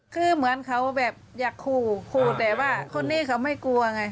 คือเหมือนเขาแบบอยากขู่คู่แต่ว่าคนนี้เขาไม่กลัวไง